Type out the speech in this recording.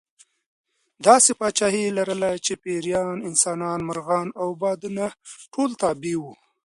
داسې پاچاهي یې لرله چې پېریان، انسانان، مرغان او بادونه ټول تابع وو.